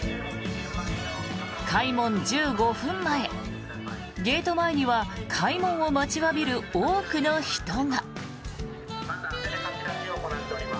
開門１５分前ゲート前には開門を待ちわびる多くの人が。